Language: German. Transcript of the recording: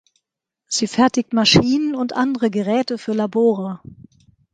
Sie fertigt Maschinen und andere Geräte für Labore.